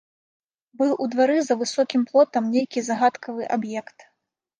Быў у двары за высокім плотам нейкі загадкавы аб'ект.